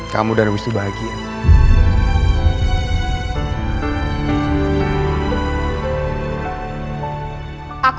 kamu dan wisnu bahagia